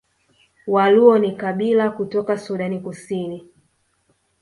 Waluo ni kabila kutoka Sudan Kusini